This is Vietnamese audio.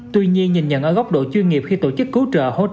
tuy nhiên nhìn nhận ở góc độ chuyên nghiệp khi tổ chức cứu trợ